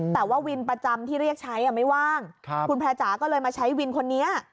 แต่ว่าวินประจำที่เรียกใช้ไม่ว่างคุณแพร่จ๋าก็เลยมาใช้วินคนนี้